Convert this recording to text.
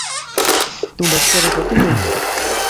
تو بسڪري ڪوتي ٻين؟